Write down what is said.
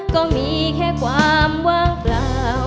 ก็มีแค่ความว่างเปล่า